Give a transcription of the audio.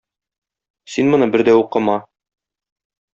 Син моны бер дә укыма.